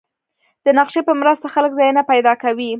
د نقشې په مرسته خلک ځایونه پیدا کوي.